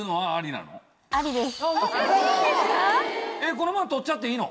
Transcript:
・このまま取っちゃっていいの？